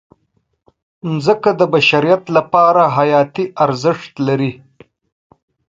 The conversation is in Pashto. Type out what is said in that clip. مځکه د بشریت لپاره حیاتي ارزښت لري.